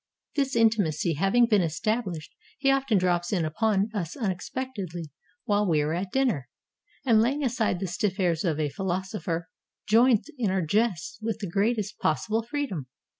This intimacy having been established, he often drops in upon us unexpectedly while we are at din ner, and laying aside the stiff airs of a philosopher joins in our jests with the greatest possible freedom.